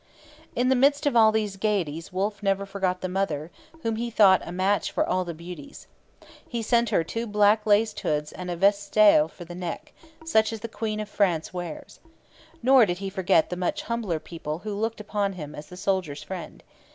In the midst of all these gaieties Wolfe never forgot the mother whom he thought 'a match for all the beauties.' He sent her 'two black laced hoods and a vestale for the neck, such as the Queen of France wears.' Nor did he forget the much humbler people who looked upon him as 'the soldier's friend.'